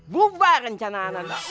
bubar rencana anak